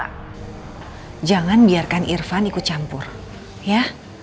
karena jangan biarkan irfan ikut campur ya